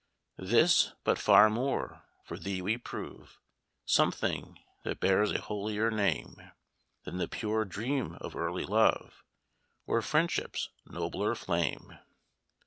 "This but far more, for thee we prove, Something that bears a holier name, Than the pure dream of early love, Or friendship's nobler flame.